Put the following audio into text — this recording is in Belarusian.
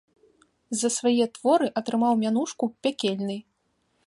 За свае творы атрымаў мянушку пякельны.